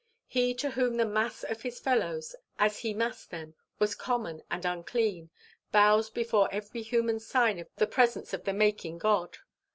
He to whom the mass of his fellows, as he massed them, was common and unclean, bows before every human sign of the presence of the making God.